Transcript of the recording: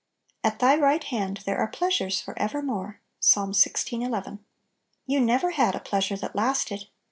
"At Thy right hand there are pleasures for evermore."— Ps. xvi. 11. YOU never had a pleasure that lasted.